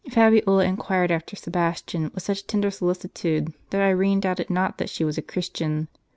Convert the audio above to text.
Fabiola inquired after Sebastian with such tender solici tude that Irene doubted not that she was a Christian.